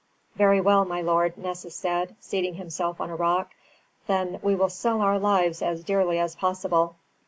"Very well, my lord," Nessus said, seating himself on a rock, "then we will sell our lives as dearly as possible."